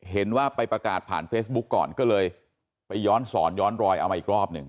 เห็นว่าไปประกาศผ่านเฟซบุ๊กก่อนก็เลยไปย้อนสอนย้อนรอยเอามาอีกรอบหนึ่ง